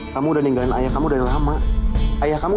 kamu udah ninggalin ayah kamu dari lama ayah kamu